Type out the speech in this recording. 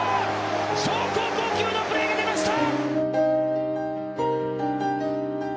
超高校級のプレーが出ました！！